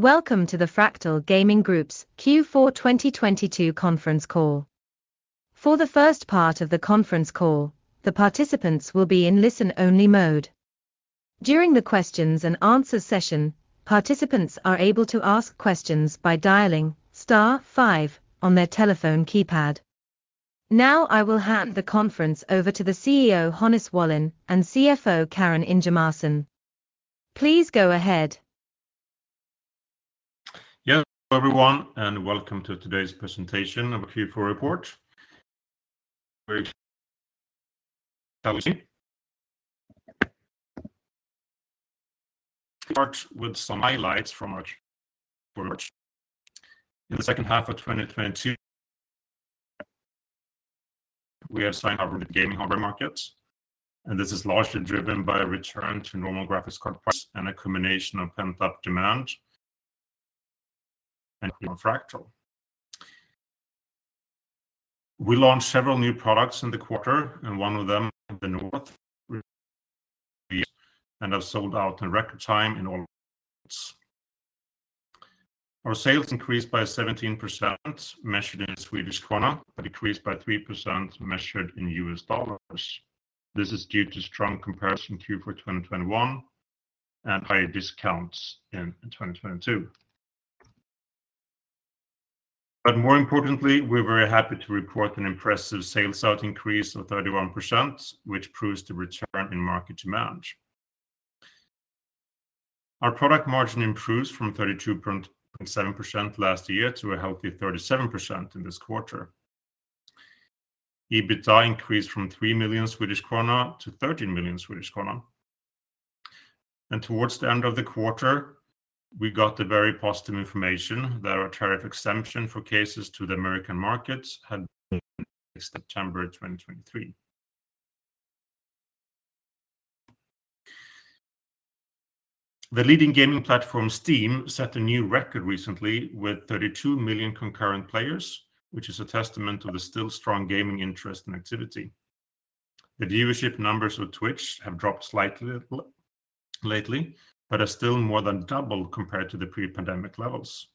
Welcome to the Fractal Gaming Group's Q4 2022 conference call. For the first part of the conference call, the participants will be in listen-only mode. During the questions and answers session, participants are able to ask questions by dialing star five on their telephone keypad. Now I will hand the conference over to the CEO, Hannes Wallin, and CFO, Karin Ingemarson. Please go ahead. Hello, everyone, and welcome to today's presentation of our Q4 report. Shall we see? Start with some highlights from our. In the second half of 2022, we have signed our gaming hardware markets. This is largely driven by a return to normal graphics card price and a combination of pent-up demand and from Fractal. We launched several new products in the quarter. One of them, the North, and have sold out in record time in all markets. Our sales increased by 17% measured in SEK. Decreased by 3% measured in $. This is due to strong comparison Q4 2021 and higher discounts in 2022. More importantly, we're very happy to report an impressive sales out increase of 31%, which proves the return in market demand. Our product margin improves from 32.7% last year to a healthy 37% in this quarter. EBITDA increased from 3 million Swedish krona to 13 million Swedish krona. Towards the end of the quarter, we got the very positive information that our tariff exemption for cases to the American markets valid until September 202. The leading gaming platform Steam set a new record recently with 32 million concurrent players, which is a testament to the still strong gaming interest and activity. The viewership numbers with Twitch have dropped slightly lately but are still more than double compared to the pre-pandemic levels.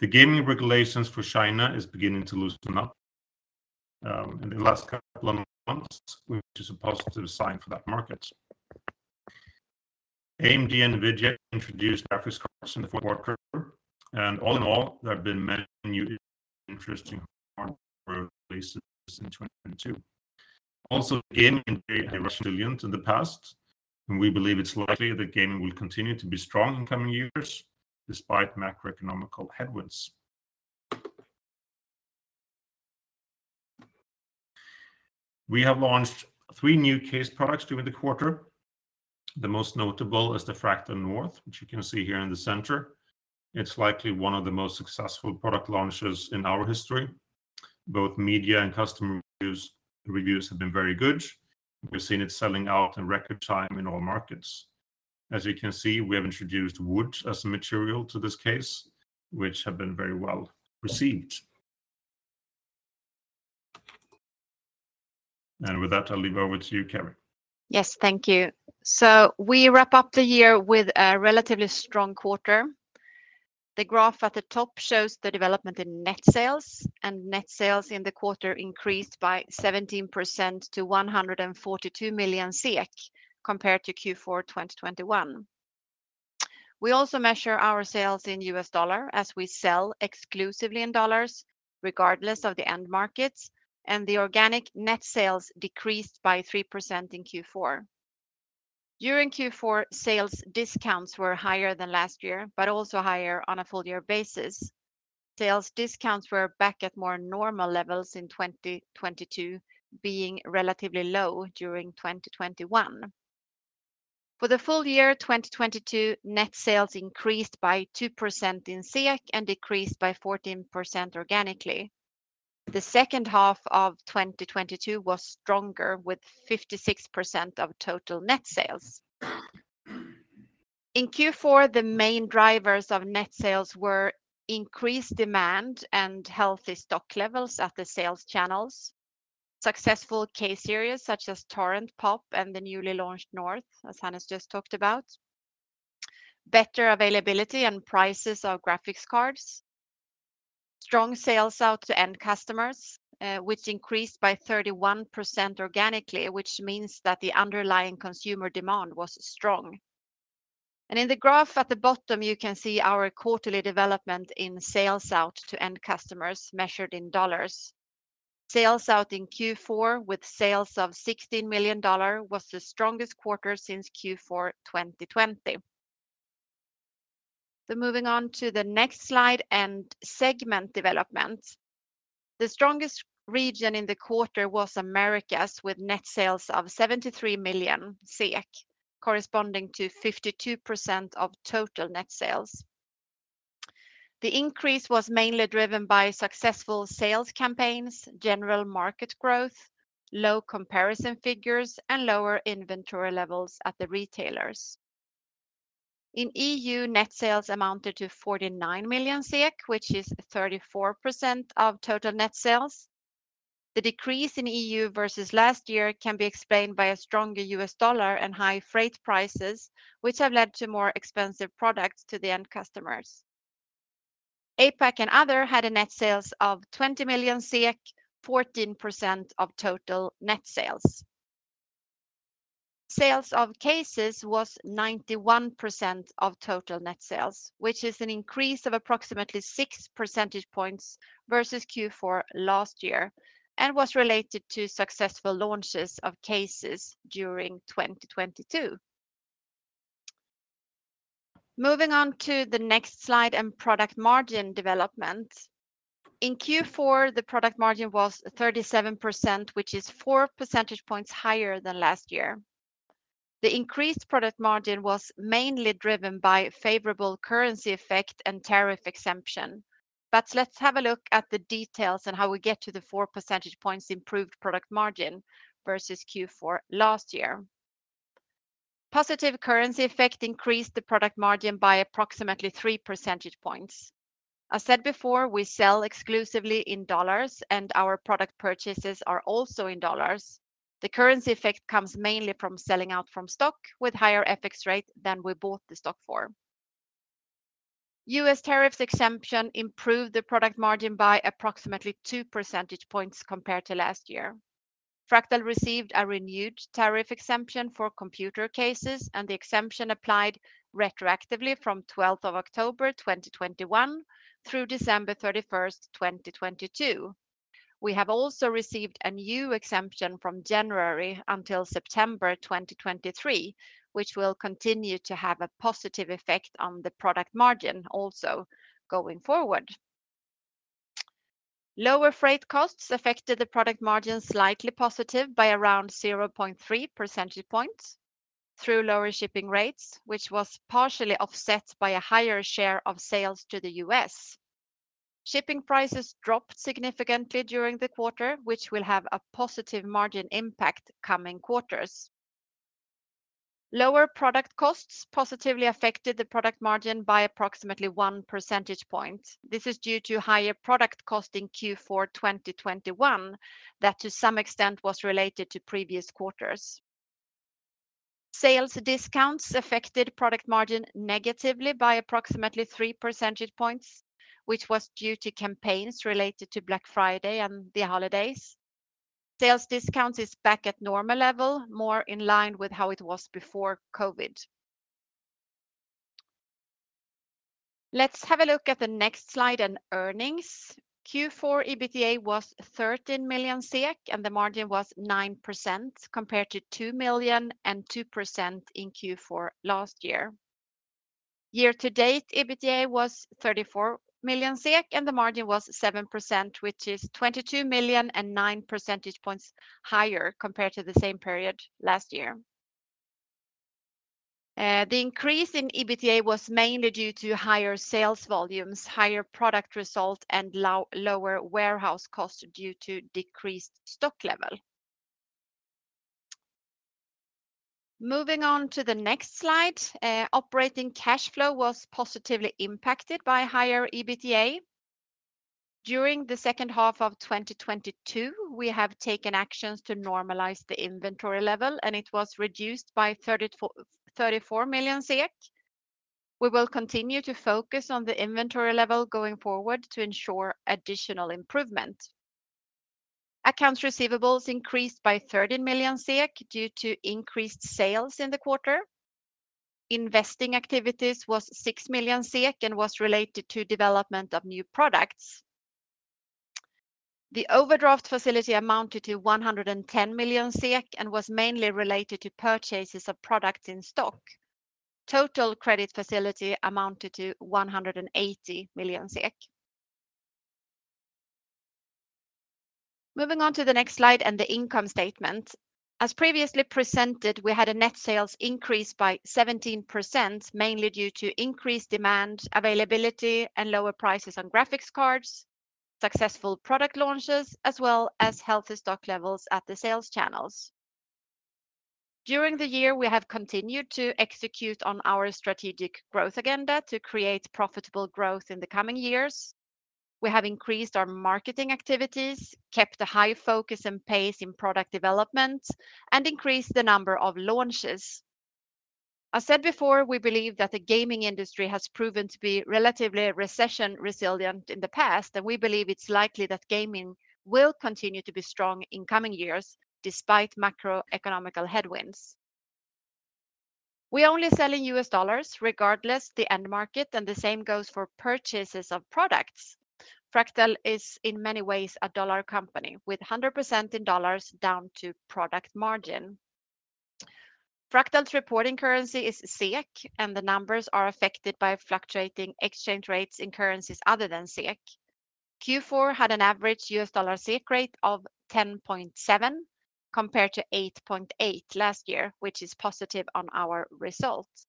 The gaming regulations for China is beginning to loosen up in the last couple of months, which is a positive sign for that market. AMD and NVIDIA introduced graphics cards in the Q4. All in all, there have been many new interesting releases in 2022. Gaming has been resilient in the past, and we believe it's likely that gaming will continue to be strong in coming years despite macroeconomic headwinds. We have launched three new case products during the quarter. The most notable is the Fractal North, which you can see here in the center. It's likely one of the most successful product launches in our history. Both media and customer reviews have been very good. We've seen it selling out in record time in all markets. As you can see, we have introduced wood as a material to this case, which have been very well received. With that, I'll leave over to you, Karin. Yes. Thank you. We wrap up the year with a relatively strong quarter. The graph at the top shows the development in net sales, and net sales in the quarter increased by 17% to 142 million SEK compared to Q4 2021. We also measure our sales in US dollar as we sell exclusively in dollars regardless of the end markets, and the organic net sales decreased by 3% in Q4. During Q4, sales discounts were higher than last year but also higher on a full-year basis. Sales discounts were back at more normal levels in 2022, being relatively low during 2021. For the full year 2022, net sales increased by 2% in SEK and decreased by 14% organically. The second half of 2022 was stronger with 56% of total net sales. In Q4, the main drivers of net sales were increased demand and healthy stock levels at the sales channels, successful case series such as Torrent, Pop, and the newly launched North, as Hannes just talked about, better availability and prices of graphics cards, strong sales out to end customers, which increased by 31% organically, which means that the underlying consumer demand was strong. In the graph at the bottom, you can see our quarterly development in sales out to end customers measured in dollars. Sales out in Q4 with sales of $16 million was the strongest quarter since Q4 2020. Moving on to the next slide and segment development. The strongest region in the quarter was Americas with net sales of 73 million, corresponding to 52% of total net sales. The increase was mainly driven by successful sales campaigns, general market growth, low comparison figures, and lower inventory levels at the retailers. In EU, net sales amounted to 49 million, which is 34% of total net sales. The decrease in EU versus last year can be explained by a stronger US dollar and high freight prices, which have led to more expensive products to the end customers. APAC and other had a net sales of 20 million, 14% of total net sales. Sales of cases was 91% of total net sales, which is an increase of approximately 6 percentage points versus Q4 last year, and was related to successful launches of cases during 2022. Moving on to the next slide and product margin development. In Q4, the product margin was 37%, which is 4 percentage points higher than last year. The increased product margin was mainly driven by favorable currency effect and tariff exemption. Let's have a look at the details on how we get to the 4 percentage points improved product margin versus Q4 last year. Positive currency effect increased the product margin by approximately 3 percentage points. As said before, we sell exclusively in dollars, and our product purchases are also in dollars. The currency effect comes mainly from selling out from stock with higher FX rate than we bought the stock for. U.S. tariffs exemption improved the product margin by approximately 2 percentage points compared to last year. Fractal received a renewed tariff exemption for computer cases, and the exemption applied retroactively from 12th of October 2021 through December 31st, 2022. We have also received a new exemption from January until September 2023, which will continue to have a positive effect on the product margin also going forward. Lower freight costs affected the product margin slightly positive by around 0.3 percentage points through lower shipping rates, which was partially offset by a higher share of sales to the U.S. Shipping prices dropped significantly during the quarter, which will have a positive margin impact coming quarters. Lower product costs positively affected the product margin by approximately 1 percentage point. This is due to higher product cost in Q4 2021 that, to some extent, was related to previous quarters. Sales discounts affected product margin negatively by approximately 3 percentage points, which was due to campaigns related to Black Friday and the holidays. Sales discount is back at normal level, more in line with how it was before COVID. Let's have a look at the next slide and earnings. Q4 EBITDA was 13 million SEK, and the margin was 9% compared to 2 million and 2% in Q4 last year. Year to date, EBITDA was 34 million SEK, and the margin was 7%, which is 22 million and 9 percentage points higher compared to the same period last year. The increase in EBITDA was mainly due to higher sales volumes, higher product result, and lower warehouse costs due to decreased stock level. Moving on to the next slide, operating cash flow was positively impacted by higher EBITDA. During the second half of 2022, we have taken actions to normalize the inventory level, and it was reduced by 34 million. We will continue to focus on the inventory level going forward to ensure additional improvement. Accounts receivables increased by 13 million due to increased sales in the quarter. Investing activities was 6 million SEK and was related to development of new products. The overdraft facility amounted to 110 million SEK and was mainly related to purchases of products in stock. Total credit facility amounted to 180 million SEK. Moving on to the next slide and the income statement. As previously presented, we had a net sales increase by 17%, mainly due to increased demand, availability, and lower prices on graphics cards, successful product launches, as well as healthy stock levels at the sales channels. During the year, we have continued to execute on our strategic growth agenda to create profitable growth in the coming years. We have increased our marketing activities, kept a high focus and pace in product development, and increased the number of launches. I said before, we believe that the gaming industry has proven to be relatively recession-resilient in the past, and we believe it's likely that gaming will continue to be strong in coming years despite macroeconomic headwinds. We only sell in US dollars regardless the end market, and the same goes for purchases of products. Fractal is, in many ways, a dollar company with 100% in dollars down to product margin. Fractal's reporting currency is SEK, and the numbers are affected by fluctuating exchange rates in currencies other than SEK. Q4 had an average US dollar SEK rate of 10.7 compared to 8.8 last year, which is positive on our results.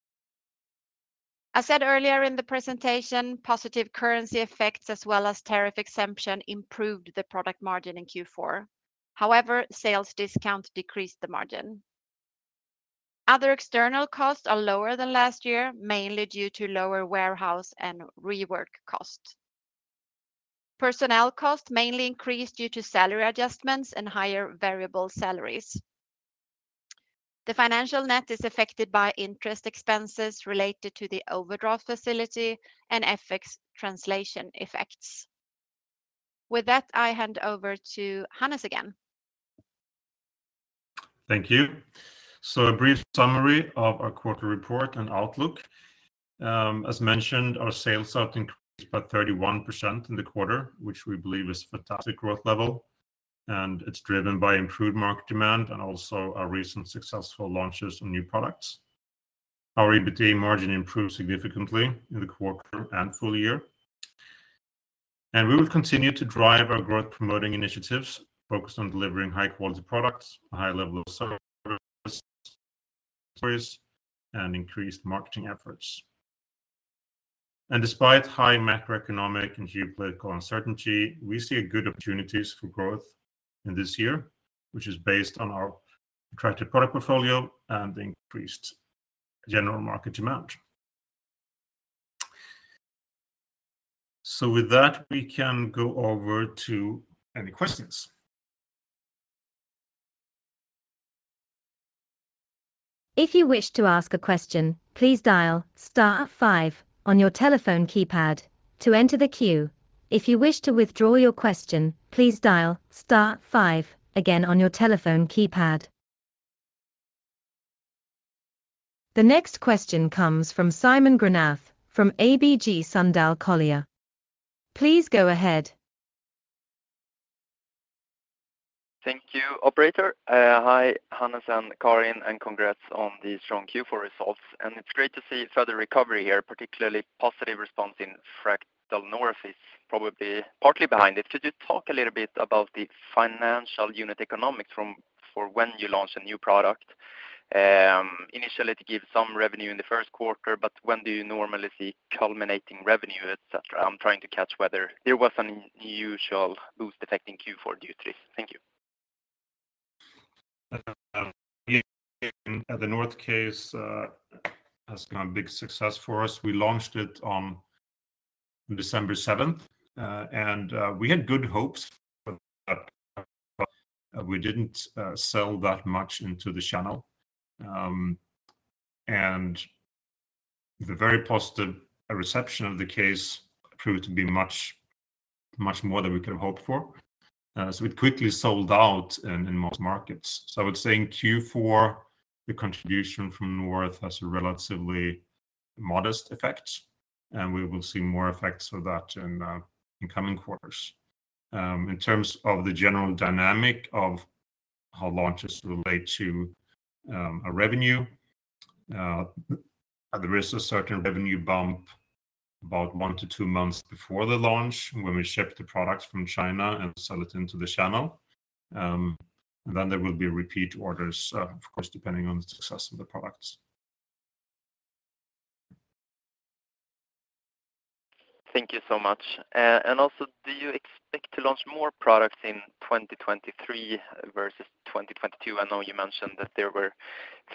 I said earlier in the presentation, positive currency effects as well as tariff exemption improved the product margin in Q4. However, sales discount decreased the margin. Other external costs are lower than last year, mainly due to lower warehouse and rework costs. Personnel costs mainly increased due to salary adjustments and higher variable salaries. The financial net is affected by interest expenses related to the overdraft facility and FX translation effects. With that, I hand over to Hannes again. Thank you. A brief summary of our quarter report and outlook. As mentioned, our sales have increased by 31% in the quarter, which we believe is fantastic growth level, and it's driven by improved market demand and also our recent successful launches of new products. Our EBITDA margin improved significantly in the quarter and full year. We will continue to drive our growth-promoting initiatives focused on delivering high-quality products, a high level of service, and increased marketing efforts. Despite high macroeconomic and geopolitical uncertainty, we see good opportunities for growth in this year, which is based on our attractive product portfolio and increased general market demand. With that, we can go over to any questions. If you wish to ask a question, please dial star five on your telephone keypad to enter the queue. If you wish to withdraw your question, please dial star five again on your telephone keypad. The next question comes from Simon Granath from ABG Sundal Collier. Please go ahead. Thank you, operator. Hi, Hannes and Karin, congrats on the strong Q4 results. It's great to see further recovery here, particularly positive response in Fractal North is probably partly behind it. Could you talk a little bit about the financial unit economics for when you launch a new product? Initially, it gives some revenue in the Q1, when do you normally see culminating revenue, et cetera? I'm trying to catch whether there was an unusual boost effect in Q4 due to this. Thank you. The North case has been a big success for us. We launched it on December seventh. We had good hopes, but we didn't sell that much into the channel. The very positive reception of the case proved to be much, much more than we could have hoped for. We quickly sold out in most markets. I would say in Q4, the contribution from North has a relatively modest effect, and we will see more effects of that in coming quarters. In terms of the general dynamic of how launches relate to our revenue, there is a certain revenue bump about one to two months before the launch when we ship the products from China and sell it into the channel. There will be repeat orders, of course, depending on the success of the products. Thank you so much. Do you expect to launch more products in 2023 versus 2022? I know you mentioned that there were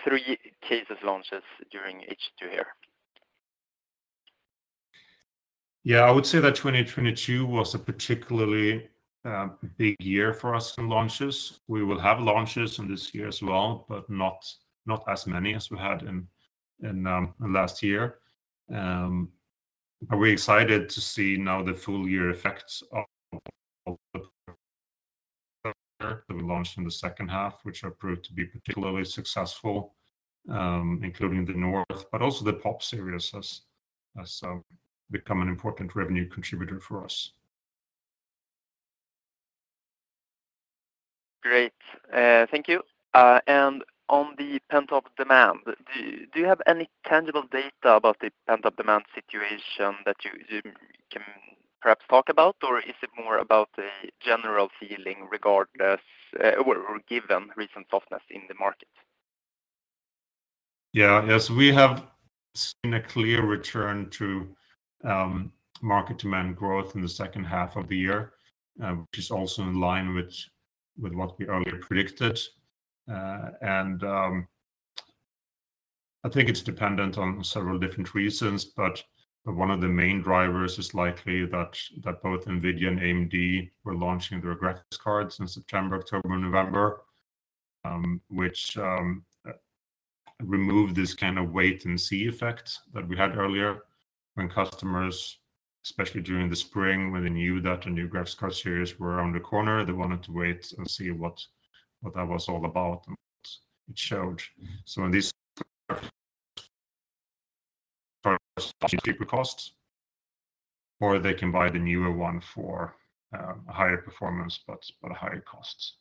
3 cases launches during H2 here. Yeah, I would say that 2022 was a particularly big year for us in launches. We will have launches in this year as well, but not as many as we had in last year. We're excited to see now the full year effects of the products that we launched in the second half, which have proved to be particularly successful, including the North. Also the Pop Series has become an important revenue contributor for us. Great. Thank you. On the pent-up demand, do you have any tangible data about the pent-up demand situation that you can perhaps talk about? Or is it more about a general feeling regardless, or given recent softness in the market? Yes, we have seen a clear return to market demand growth in the second half of the year, which is also in line with what we earlier predicted. I think it's dependent on several different reasons, but one of the main drivers is likely that both NVIDIA and AMD were launching their graphics cards in September, October, November, which removed this kind of wait and see effect that we had earlier when customers, especially during the spring, when they knew that the new graphics card series were around the corner, they wanted to wait and see what that was all about and what it showed. In this cheaper costs, or they can buy the newer one for higher performance, but higher costs.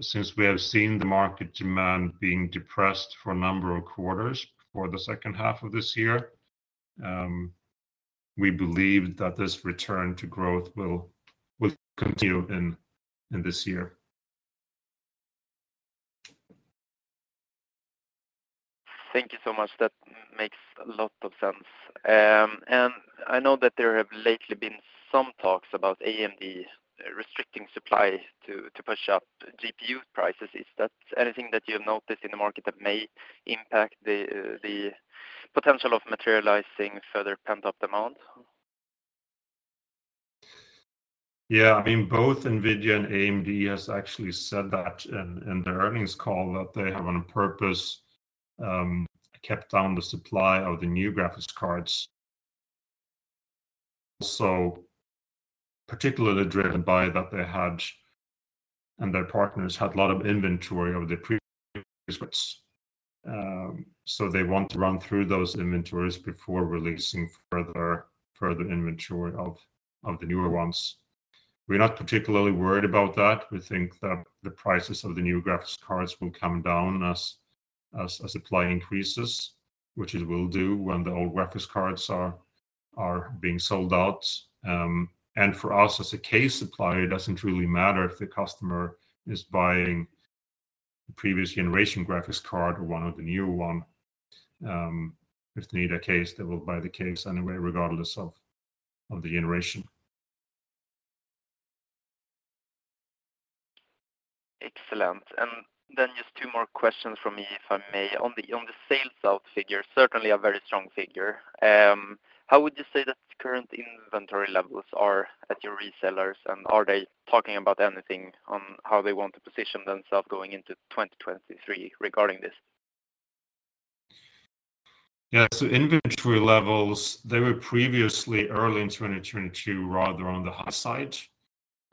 Since we have seen the market demand being depressed for a number of quarters for the second half of this year, we believe that this return to growth will continue in this year. Thank you so much. That makes a lot of sense. I know that there have lately been some talks about AMD restricting supply to push up GPU prices. Is that anything that you've noticed in the market that may impact the potential of materializing further pent-up demand? I mean, both NVIDIA and AMD has actually said that in their earnings call that they have on purpose kept down the supply of the new graphics cards. particularly driven by that they had and their partners had a lot of inventory over the previous months. they want to run through those inventories before releasing further inventory of the newer ones. We're not particularly worried about that. We think that the prices of the new graphics cards will come down as supply increases, which it will do when the old graphics cards are being sold out. for us as a case supplier, it doesn't really matter if the customer is buying previous generation graphics card or one of the newer one. if they need a case, they will buy the case anyway regardless of the generation. Excellent. Then just two more questions from me, if I may. On the sales out figure, certainly a very strong figure. How would you say that current inventory levels are at your resellers, and are they talking about anything on how they want to position themselves going into 2023 regarding this? Yeah. Inventory levels, they were previously early in 2022 rather on the high side.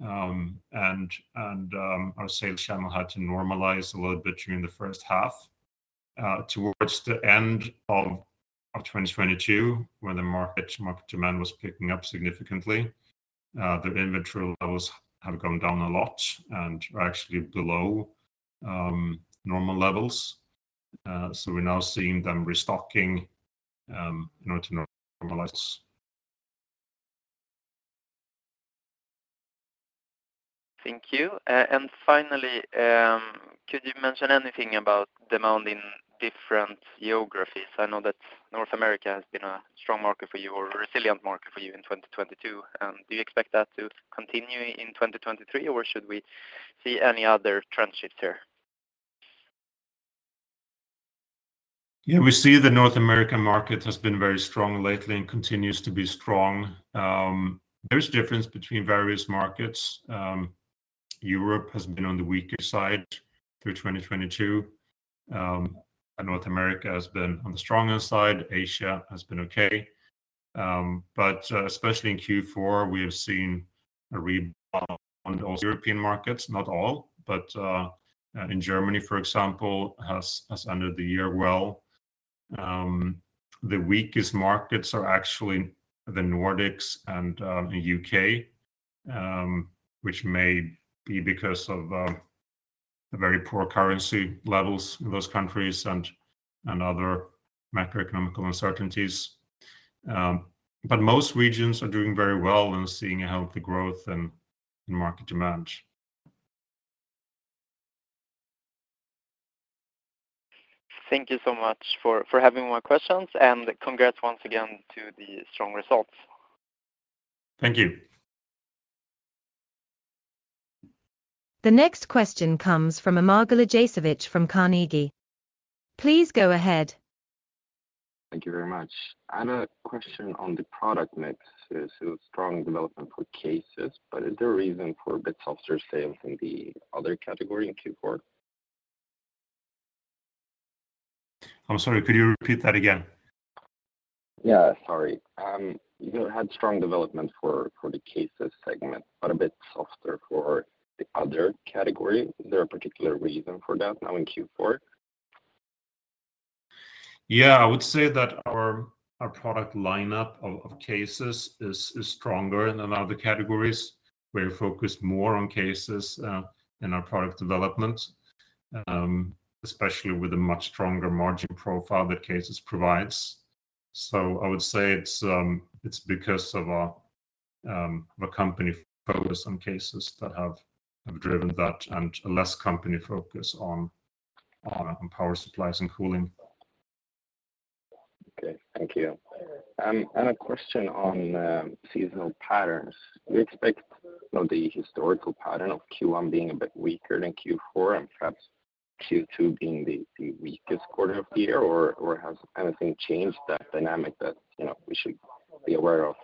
And our sales channel had to normalize a little bit during the first half. Towards the end of 2022, when the market demand was picking up significantly, their inventory levels have gone down a lot and are actually below normal levels. We're now seeing them restocking in order to normalize. Thank you. Finally, could you mention anything about demand in different geographies? I know that North America has been a strong market for you or a resilient market for you in 2022. Do you expect that to continue in 2023, or should we see any other trend shifts here? Yeah. We see the North American market has been very strong lately and continues to be strong. There's difference between various markets. Europe has been on the weaker side through 2022. North America has been on the stronger side. Asia has been okay. Especially in Q4, we have seen a rebound on all European markets, not all. In Germany, for example, has ended the year well. The weakest markets are actually the Nordics and U.K., which may be because of the very poor currency levels in those countries and other macroeconomic uncertainties. Most regions are doing very well and seeing a healthy growth in market demand. Thank you so much for having my questions. Congrats once again to the strong results. Thank you. The next question comes from Amar Galijasevic from Carnegie. Please go ahead. Thank you very much. I have a question on the product mix. Strong development for cases, but is there a reason for a bit softer sales in the other category in Q4? I'm sorry, could you repeat that again? Yeah, sorry. You had strong development for the cases segment, but a bit softer for the other category. Is there a particular reason for that now in Q4? I would say that our product lineup of cases is stronger than our other categories. We're focused more on cases in our product development, especially with a much stronger margin profile that cases provides. I would say it's because of our company focus on cases that have driven that and less company focus on power supplies and cooling. Okay. Thank you. A question on seasonal patterns. Do you expect, you know, the historical pattern of Q1 being a bit weaker than Q4 and perhaps Q2 being the weakest quarter of the year, or has anything changed that dynamic that, you know, we should be aware of?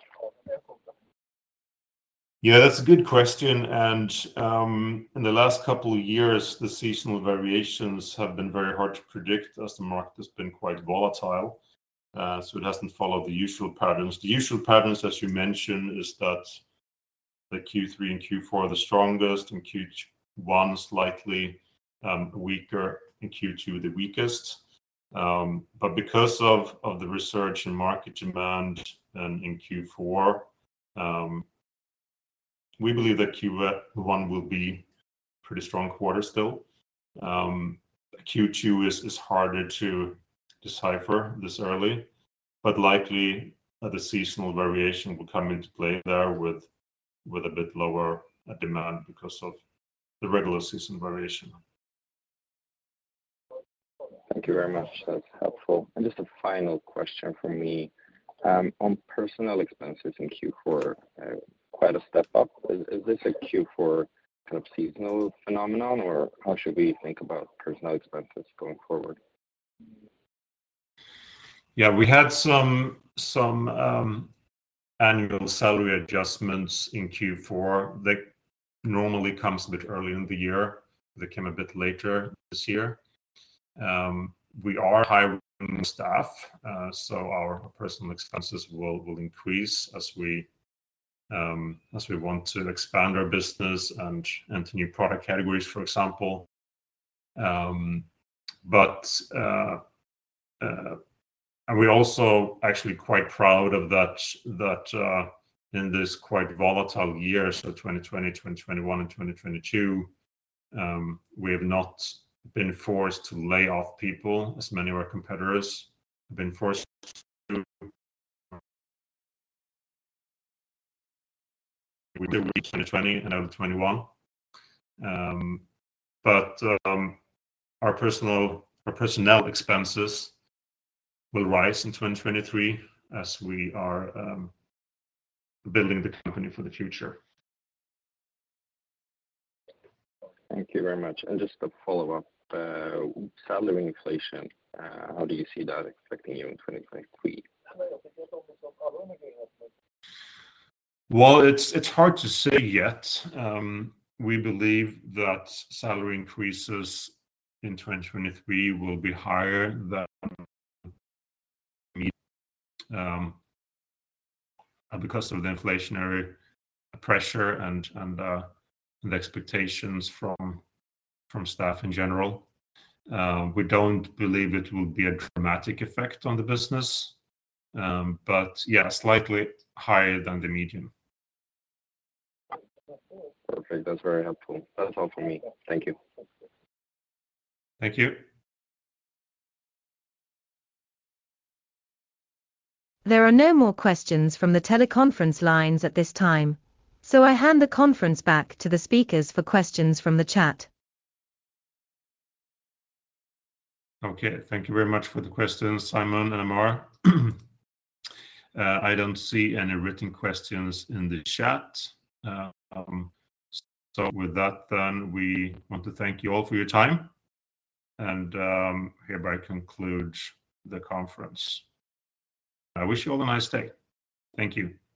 Yeah, that's a good question. In the last couple of years, the seasonal variations have been very hard to predict as the market has been quite volatile. It hasn't followed the usual patterns. The usual patterns, as you mentioned, is that the Q3 and Q4 are the strongest, and Q1 is slightly weaker, and Q2 the weakest. Because of the research and market demand in Q4, we believe that Q1 will be pretty strong quarter still. Q2 is harder to decipher this early. Likely, the seasonal variation will come into play there with a bit lower demand because of the regular season variation. Thank you very much. That's helpful. Just a final question from me. On personnel expenses in Q4, quite a step up. Is this a Q4 kind of seasonal phenomenon, or how should we think about personnel expenses going forward? Yeah, we had some annual salary adjustments in Q4 that normally comes a bit early in the year. They came a bit later this year. We are hiring staff, so our personnel expenses will increase as we want to expand our business and enter new product categories, for example. We're also actually quite proud of that, in this quite volatile year, so 2020, 2021, and 2022, we have not been forced to lay off people, as many of our competitors have been forced to. We did in 2020 and early 2021. Our personnel expenses will rise in 2023 as we are building the company for the future. Thank you very much. Just a follow-up. Salary inflation, how do you see that affecting you in 2023? Well, it's hard to say yet. We believe that salary increases in 2023 will be higher than me, because of the inflationary pressure and expectations from staff in general. We don't believe it will be a dramatic effect on the business. Yeah, slightly higher than the medium. Okay. That's very helpful. That's all for me. Thank you. Thank you. There are no more questions from the teleconference lines at this time, so I hand the conference back to the speakers for questions from the chat. Okay. Thank you very much for the questions, Simon and Amar. I don't see any written questions in the chat. With that then, we want to thank you all for your time, and hereby conclude the conference. I wish you all a nice day. Thank you.